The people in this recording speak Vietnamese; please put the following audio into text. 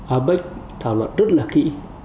apec thảo luận rất là kỹ